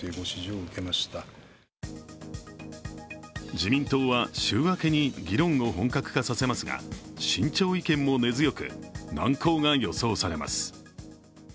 自民党は週明けに議論を本格化させますが慎重意見も根強く、難航が予想されます。